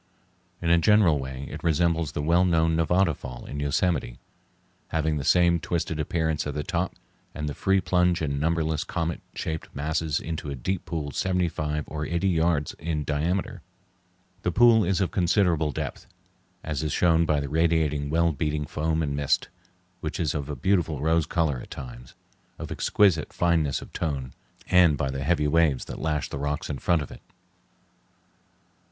In a general way it resembles the well known Nevada Fall in Yosemite, having the same twisted appearance at the top and the free plunge in numberless comet shaped masses into a deep pool seventy five or eighty yards in diameter. The pool is of considerable depth, as is shown by the radiating well beaten foam and mist, which is of a beautiful rose color at times, of exquisite fineness of tone, and by the heavy waves that lash the rocks in front of it.